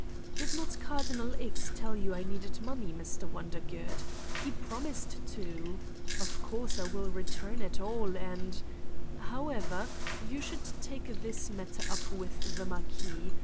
"Did not Cardinal X. tell you I needed money, Mr. Wondergood? He promised to. Of course I will return it all and ... how 185 Satan's Diary ever, you should take this matter up with the Mar quis.